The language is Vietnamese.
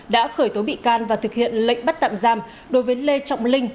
đã khởi tố bị can và thực hiện lệnh bắt tạm giam đối với lê trọng linh